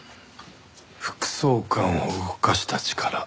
副総監を動かした力。